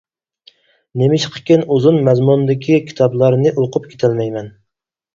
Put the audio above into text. نېمىشقىكىن ئۇزۇن مەزمۇندىكى كىتابلارنى ئوقۇپ كېتەلمەيمەن.